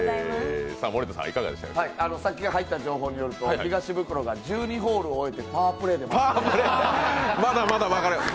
さっき入った情報によると、東ブクロが１２ホールを終えてパープレーで回っています。